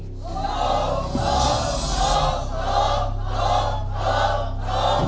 ถูก